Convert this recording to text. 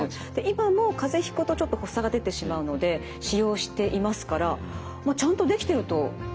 今も風邪ひくとちょっと発作が出てしまうので使用していますからちゃんとできてると思ってます。